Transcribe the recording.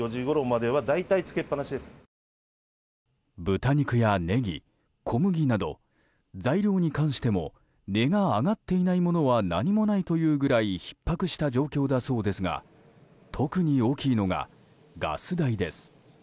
豚肉やネギ、小麦など材料に関しても値が上がっていないものは何もないというぐらいひっ迫した状況だそうですが特に大きいのがガス代です。